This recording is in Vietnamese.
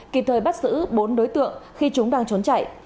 kịp thời bắt giữ bốn đối tượng khi chúng đang trốn chạy